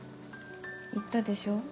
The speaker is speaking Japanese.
言ったでしょ